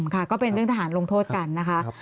ค่ะก็เป็นเรื่องทหารลงโทษกันนะคะ